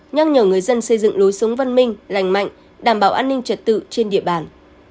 nhắc nhở người dân xây dựng lối sống văn minh lành mạnh đảm bảo an ninh trật tự trên địa bàn